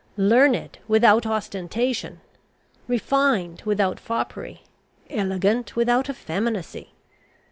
Learned without ostentation, refined without foppery, elegant without effeminacy!